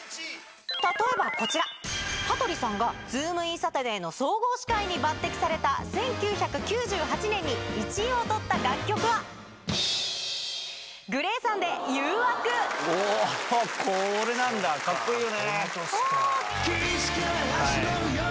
例えばこちら羽鳥さんが『ズームイン‼サタデー』の総合司会に抜てきされた１９９８年に１位を取った楽曲はおぉこれなんだカッコいいよね。